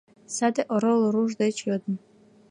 Саде орол руш деч йодым: